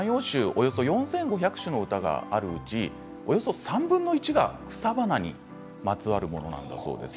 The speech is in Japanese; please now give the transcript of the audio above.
およそ４５００首の歌があるうちおよそ３分の１が草花にまつわるものなんだそうです。